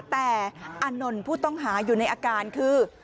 แต่อานนท์ผู้ต้องหาอยู่ในอาการคือ